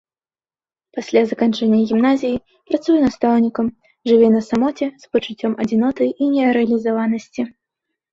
Пасля заканчэння гімназіі працуе настаўнікам, жыве на самоце з пачуццём адзіноты і нерэалізаванасці.